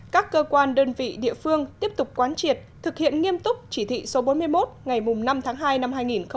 các cơ quan đơn vị địa phương tiếp tục quán triệt thực hiện nghiêm túc chỉ thị số bốn mươi một ngày năm tháng hai năm hai nghìn hai mươi